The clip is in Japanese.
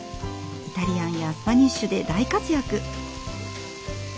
イタリアンやスパニッシュで大活躍！